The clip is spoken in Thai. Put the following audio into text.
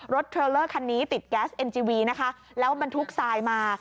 เทรลเลอร์คันนี้ติดแก๊สเอ็นจีวีนะคะแล้วบรรทุกทรายมา